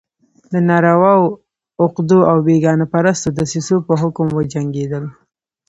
د ناروا عقدو او بېګانه پرستو دسیسو په حکم وجنګېدل.